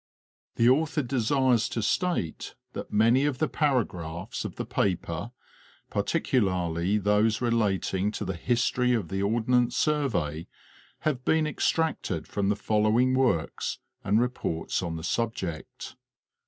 The author desires to state that many of the paragraphs of the paper, particularly those relating to the history of the Ordnance Survey, have been extracted from the following works and re ports on the subject